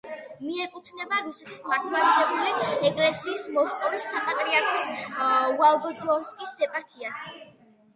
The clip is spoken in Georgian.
მიეკუთვნება რუსეთის მართლმადიდებელი ეკლესიის მოსკოვის საპატრიარქოს ვოლგოდონსკის ეპარქიას.